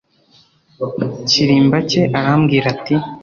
kirimba cye arambwira ati